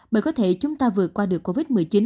bởi có thể chúng ta vượt qua được covid một mươi chín